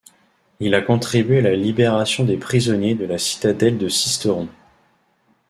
Il a contribué à la libération des prisonniers de la Citadelle de Sisteron.